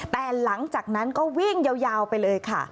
แต่หลังจากนั้นก็วิ่งยาวไปเลยค่ะ